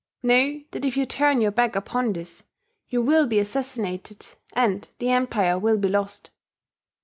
Know that if you turn your back upon this, you will be assassinated; and the Empire will be lost."